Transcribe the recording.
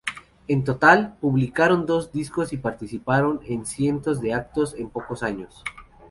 En total, publicaron dos discos y participaron en cientos de actos en pocos años.